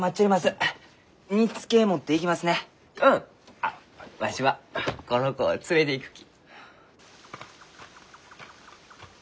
あっわしはこの子を連れていくき。